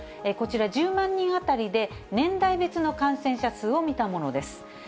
こちら、１０万人当たりで年代別の感染者数を見たものです。